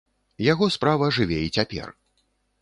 Яго справа жыве і цяпер.